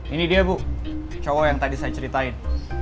ini dia bu cowok yang tadi saya ceritain